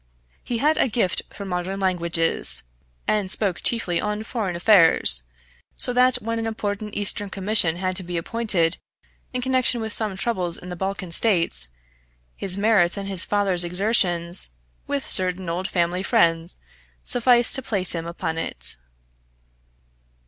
He had a gift for modern languages, and spoke chiefly on foreign affairs, so that when an important Eastern Commission had to be appointed, in connection with some troubles in the Balkan States, his merits and his father's exertions with certain old family friends sufficed to place him upon it.